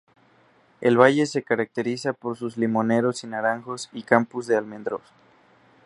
El valle se caracteriza por sus limoneros y naranjos y campos de almendros.